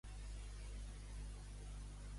Què està succeint a TikTok en aquest instant?